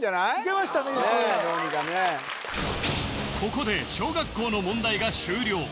ここで小学校の問題が終了